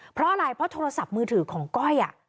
เพราะอะไรเพราะโทรศัพท์มือถือของก้อย